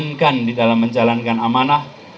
dan berjalan di dalam menjalankan amanah